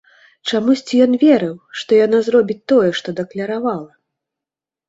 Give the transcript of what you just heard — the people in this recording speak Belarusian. Чамусьці ён верыў, што яна зробіць тое, што дакляравала.